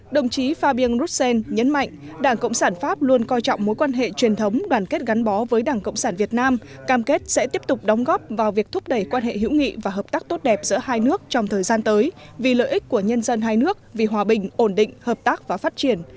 đồng chí fabien roussen nhấn mạnh đảng cộng sản pháp luôn coi trọng mối quan hệ truyền thống đoàn kết gắn bó với đảng cộng sản việt nam cam kết sẽ tiếp tục đóng góp vào việc thúc đẩy quan hệ hữu nghị và hợp tác tốt đẹp giữa hai nước trong thời gian tới vì lợi ích của nhân dân hai nước vì hòa bình ổn định hợp tác và phát triển